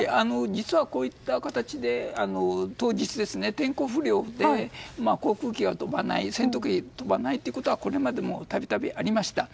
実は、こういった形で当日、天候不良で航空機が飛ばない戦闘機が飛ばないということはこれまでもたびたびありました。